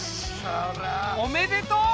おめでとう！